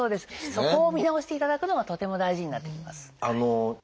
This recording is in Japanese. そこを見直していただくのがとても大事になってきます。